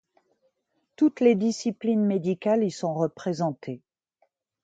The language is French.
Toutes les disciplines médicales y sont représentées.